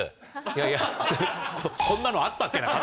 いやいや、こんなのあったっけ？